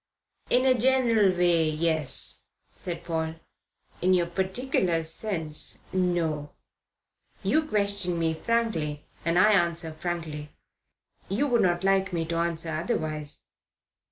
"In a general way, yes," said Paul. "In your particular sense, no. You question me frankly and I answer frankly. You would not like me to answer otherwise."